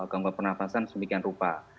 gangguan pernafasan semikian rupa